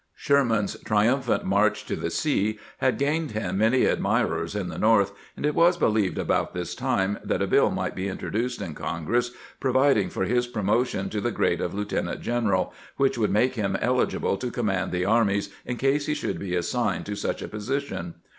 Sher man's triumphant march to the sea had gained him many admirers in the North, and it was believed about this time that a bill might be introduced in Congress providing for his promotion to the grade of lieutenant general, which would make him eligible to command the armies in case he should be assigned to such a position.